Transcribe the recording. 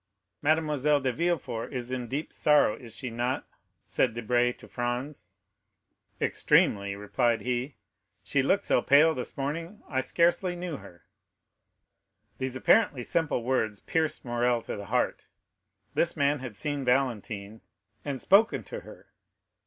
"Mademoiselle de Villefort is in deep sorrow, is she not?" said Debray to Franz. "Extremely," replied he; "she looked so pale this morning, I scarcely knew her." These apparently simple words pierced Morrel to the heart. This man had seen Valentine, and spoken to her!